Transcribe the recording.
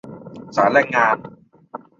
ศาลแรงงาน ?